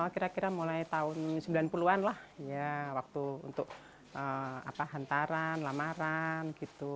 kira kira mulai tahun sembilan puluh an lah ya waktu untuk hantaran lamaran gitu